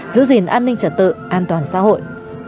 giữ gìn an ninh trật tự an toàn xã hội